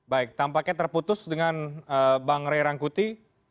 baik tampaknya terputus dengan bang ray rangkuti